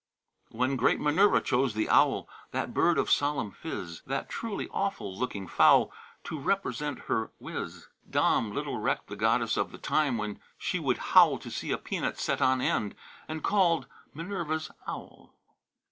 "When great Minerva chose the Owl, That bird of solemn phiz, That truly awful looking fowl, To represent her wis Dom, little recked the goddess of The time when she would howl To see a Peanut set on end, And called Minerva's Owl."